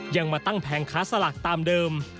ยังมาตั้งแผงค้าสลากตามเดิม